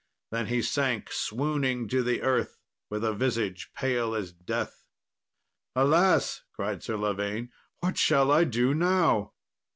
Then he sank swooning to the earth, with a visage pale as death. "Alas!" cried Sir Lavaine, "what shall I do now?"